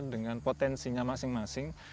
dengan potensinya masing masing